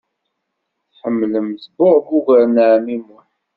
Tḥemmlemt Bob ugar n ɛemmi Muḥ.